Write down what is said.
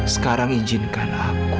sekarang izinkan aku